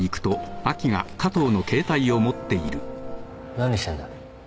何してんだ？